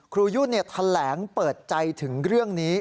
ยุ่นแถลงเปิดใจถึงเรื่องนี้